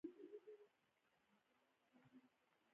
لال شاه پټان مخکې استازی وو.